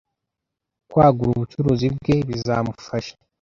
Kwagura ubucuruzi bwe bizamufasha